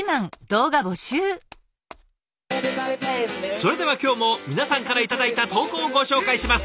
それでは今日も皆さんから頂いた投稿をご紹介します。